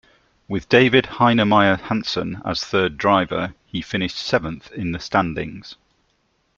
With David Heinemeier Hansson as third driver, he finished seventh in the standings.